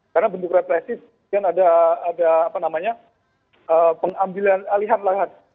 karena bentuk represif dan ada apa namanya pengambilan alihat alihat